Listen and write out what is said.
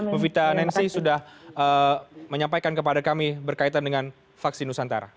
mufita nancy sudah menyampaikan kepada kami berkaitan dengan vaksin nusantara